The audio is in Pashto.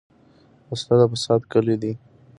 وسله د فساد کلي ده